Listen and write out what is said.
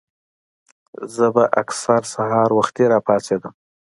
زۀ به اکثر سحر وختي راپاسېدم